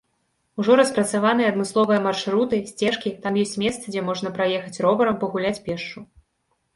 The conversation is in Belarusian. Ужо распрацаваныя адмысловыя маршруты, сцежкі, там ёсць месцы, дзе можна праехаць роварам, пагуляць пешшу.